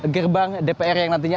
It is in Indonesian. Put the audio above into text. gerbang dpr yang nantinya